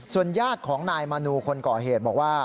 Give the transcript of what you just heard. ส่วนญาติของนายมานูคนเกาะเหตุบอกว่า